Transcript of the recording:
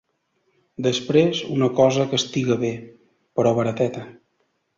Després, una cosa que estiga bé... però barateta.